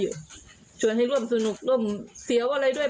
ช่วยให้ร่วมสนุกร่วมเสียวอะไรด้วย